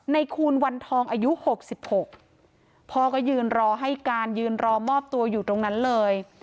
คูณวันทองอายุ๖๖พ่อก็ยืนรอให้การยืนรอมอบตัวอยู่ตรงนั้นเลย